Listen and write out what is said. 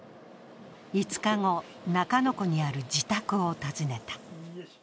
５日後、中野区にある自宅を訪ねた。